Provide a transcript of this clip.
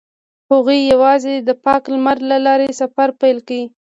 هغوی یوځای د پاک لمر له لارې سفر پیل کړ.